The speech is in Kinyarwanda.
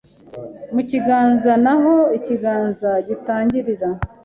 mu kiganza n' aho ikiganza gitangirira